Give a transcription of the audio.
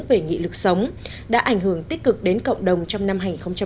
về nghị lực sống đã ảnh hưởng tích cực đến cộng đồng trong năm hai nghìn một mươi bảy